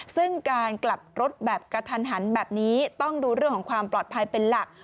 ซึ่งการกลับรถแบบกระทันหันแบบนี้ต้องดูเรื่องของความปลอดภัยเป็นหลัก